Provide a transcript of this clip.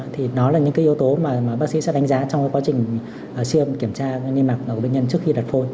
thì đó là những yếu tố mà bác sĩ sẽ đánh giá trong quá trình siêm kiểm tra niêm mạc của bệnh nhân trước khi đặt phôi